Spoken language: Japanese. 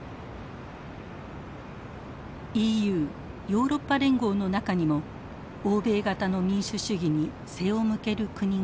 ＥＵヨーロッパ連合の中にも欧米型の民主主義に背を向ける国があります。